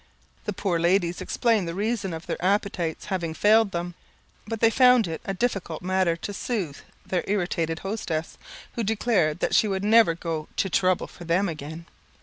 The poor ladies explained the reason of their appetites having failed them; but they found it a difficult matter to soothe their irritated hostess, who declared that she would never go "to trouble" for them again.